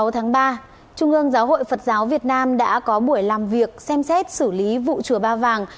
sáu tháng ba trung ương giáo hội phật giáo việt nam đã có buổi làm việc xem xét xử lý vụ chùa ba vàng